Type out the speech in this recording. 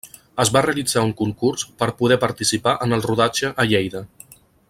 Es va realitzar un concurs per a poder participar en el rodatge a Lleida.